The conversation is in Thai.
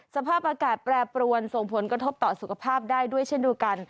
สภาพอากาศแปรปรวนส่งผลกระทบต่อสุขภาพได้ด้วยเช่นเดียวกัน